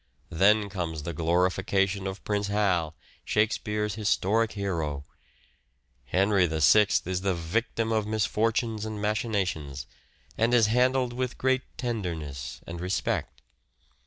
Then comes the glori fication of Prince Hal, " Shakespeare's " historic hero. Henry VI is the victim of misfortunes and machinations, and is handled with great tenderness and respect.